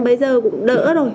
bây giờ cũng đỡ rồi